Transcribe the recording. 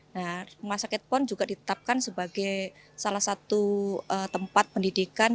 nah rumah sakit pon juga ditetapkan sebagai salah satu tempat pendidikan